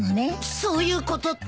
そういうことって？